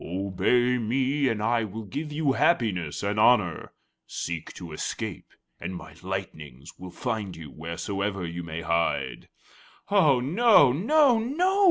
Obey me, and I will give you happiness and honor; seek to escape, and my lightnings will find you wheresoever you may hide." "Oh, no! no! no!"